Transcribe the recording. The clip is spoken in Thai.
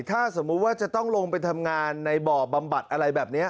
ถ้าสมมุติว่าจะต้องลงไปทำงานในบ่อบำบัดอะไรแบบนี้